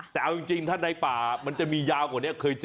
แต่เอาจริงถ้าในป่ามันจะมียาวกว่านี้เคยเจอ